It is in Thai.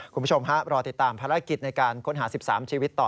คุณผู้ชมฮะรอติดตามภารกิจในการค้นหา๑๓ชีวิตต่อ